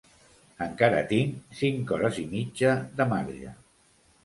Encara tinc cinc hores i mitja de marge.